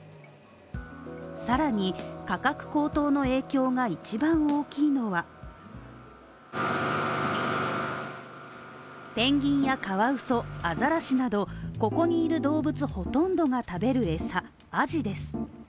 更に、価格高騰の影響が一番大きいのはペンギンやカワウソ、アザラシなどここにいる動物ほとんどが食べる餌・あじです。